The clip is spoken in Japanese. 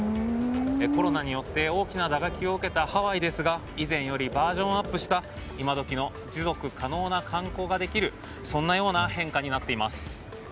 コロナによって大きな打撃を受けたハワイですが以前よりバージョンアップした今時の持続可能な観光ができるそんなような変化になっています。